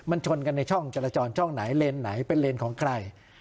มันชนกันในช่องจรจรช่องไหนเลนไหนเป็นเลนของใคร